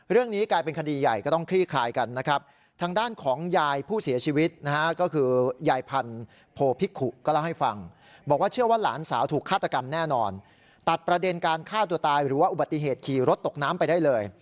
เป็นเกณฑ์การฆ่าตัวตายหรือว่าอุบัติเหตุขี่รถตกน้ำไปได้เลย